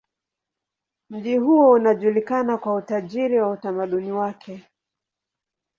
Mji huo unajulikana kwa utajiri wa utamaduni wake.